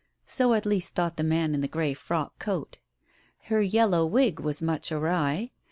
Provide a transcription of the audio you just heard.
So at least thought the man in the grey frock coat. Her yellow wig was much awry.